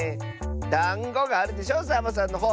「だんご」があるでしょサボさんのほう！